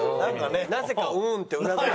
なぜか「うん」ってうなずける。